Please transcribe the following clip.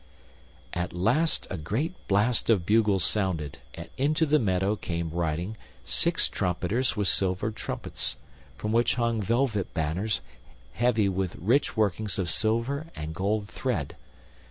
At last a great blast of bugles sounded, and into the meadow came riding six trumpeters with silver trumpets, from which hung velvet banners heavy with rich workings of silver and gold thread.